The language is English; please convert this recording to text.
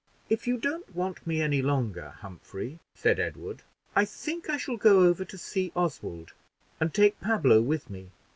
"If you don't want me any longer, Humphrey," said Edward, "I think I shall go over to see Oswald, and take Pablo with me.